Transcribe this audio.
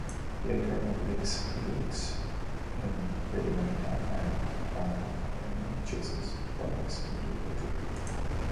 Later, Obelix eludes Impedimenta and, upon encountering him, chases Prolix into a tree.